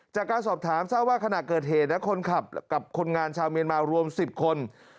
จากการสอบถามทราบว่าขณะเกิดเหตุนะคนขับกับคนงานชาวเมียนมารวม๑๐คน